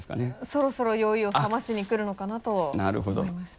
そろそろ酔いをさましにくるのかなと思いました。